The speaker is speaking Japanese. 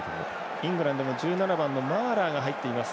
イングランドの１７番のマーラーが入っています。